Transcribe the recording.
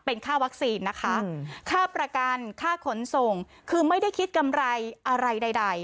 เป็นค่าวัคซีนนะคะค่าประกันค่าขนส่งคือไม่ได้คิดกำไรอะไรใด